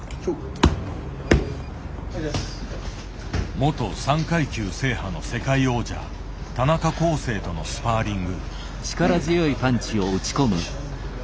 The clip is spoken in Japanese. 元３階級制覇の世界王者田中恒成とのスパーリング。